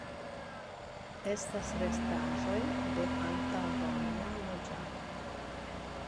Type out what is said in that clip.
Estas restaĵoj de antaŭromia loĝado.